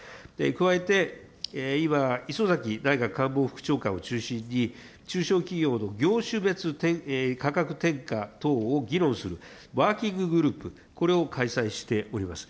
加えて今、磯崎内閣官房副長官を中心に中小企業の業種別価格転嫁等を議論する、ワーキンググループ、これを開催しております。